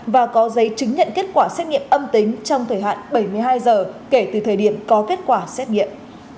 và có giấy chứng nhận kết quả xét nghiệm âm tính trong thời hạn bảy mươi hai giờ kể từ thời điểm có kết quả xét nghiệm